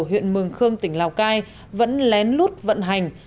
huyện mường khương tỉnh lào cai vẫn lén lút vận hành